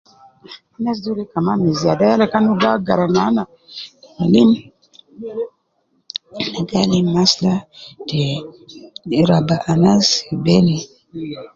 Anas doole kaman mazarawu, kan uwo gigara malim, kan uwo gi alim master ta raba anas fi bele.